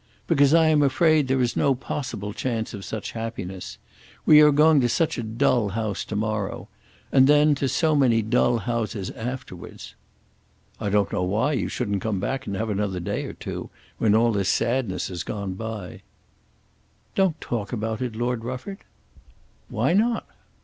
"Because I am afraid there is no possible chance of such happiness. We are going to such a dull house to morrow! And then to so many dull houses afterwards." "I don't know why you shouldn't come back and have another day or two; when all this sadness has gone by." "Don't talk about it, Lord Rufford." "Why not?"